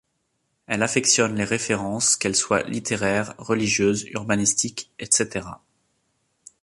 Elle affectionne les références, qu'elles soient littéraires, religieuses, urbanistiques, etc.